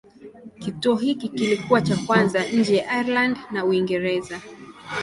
Kituo hiki kilikuwa cha kwanza nje ya Ireland na Uingereza.